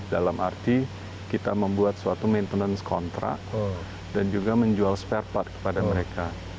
dalam arti kita membuat suatu maintenance contrak dan juga menjual spare part kepada mereka